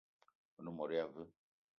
One mot ya veu?